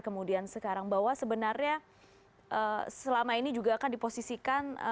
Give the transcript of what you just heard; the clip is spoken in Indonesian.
kemudian sekarang bahwa sebenarnya selama ini juga akan diposisikan